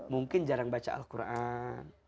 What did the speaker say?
mungkin jarang baca al quran